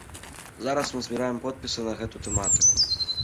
Зараз мы збіраем подпісы на гэту тэматыку.